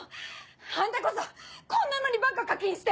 あんたこそこんなのにばっか課金して！